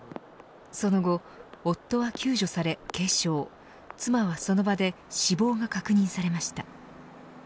その後、夫は救助され軽傷妻はその場で死亡が確認されました。